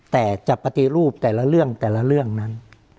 แต่จะปฏิรูปแต่ละเรื่องแต่ละเรื่องนั้น